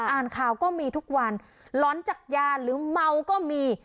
อ่านข่าวก็มีทุกวันหลอนจากยาหรือเมาก็มี